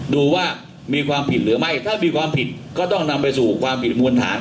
ดูว่ามีความผิดหรือไม่ถ้ามีความผิดก็ต้องนำไปสู่ความผิดมวลฐาน